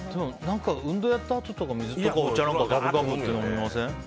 何か運動やったあととか水とかお茶とかガブガブ飲みません？